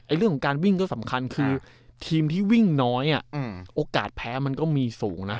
เรื่องของการวิ่งก็สำคัญคือทีมที่วิ่งน้อยโอกาสแพ้มันก็มีสูงนะ